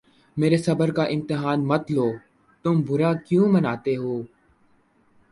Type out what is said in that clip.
میرے صبر کا امتحان مت لو تم برا کیوں مناتے ہو